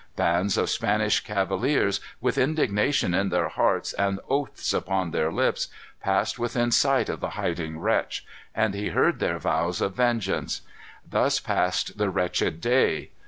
Bands of Spanish cavaliers, with indignation in their hearts and oaths upon their lips, passed within sight of the hiding wretch; and he heard their vows of vengeance. Thus passed the wretched day.